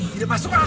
tidak masuk akal